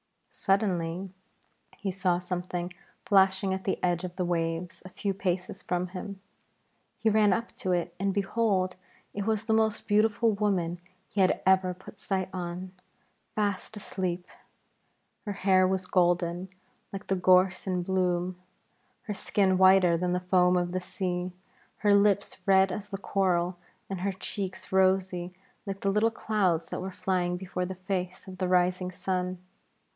Suddenly he saw something flashing at the edge of the waves a few paces from him. He ran up to it and, behold, it was the most beautiful woman he had ever put sight on, fast asleep. Her hair was golden, like the gorse in bloom; her skin whiter than the foam of the sea, her lips red as the coral, and her cheeks rosy like the little clouds that were flying before the face of the rising sun.